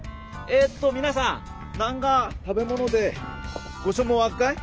えっと皆さん何か食べ物でご所望あっかい？